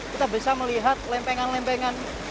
kita bisa melihat lempengan lempengan